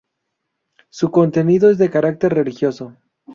Su contenido es de carácter religioso.